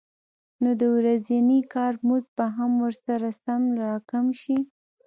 نو د ورځني کار مزد به هم ورسره سم راکم شي